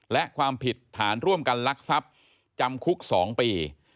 และความผิดฐานร่วมกันลักทรัพย์จำคุก๒ปี